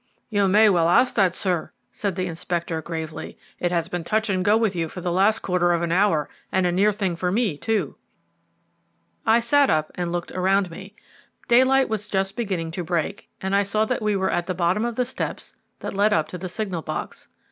"You may well ask that, sir," said the Inspector gravely. "It has been touch and go with you for the last quarter of an hour; and a near thing for me too." I sat up and looked around me. Daylight was just beginning to break, and I saw that we were at the bottom of the steps that led up to the signal box.